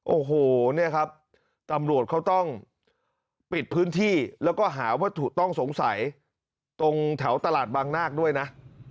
โอ้โหเนี่ยครับตำรวจเขาต้องปิดพื้นที่แล้วก็หาวัตถุต้องสงสัยตรงแถวตลาดบางนาคด้วยนะ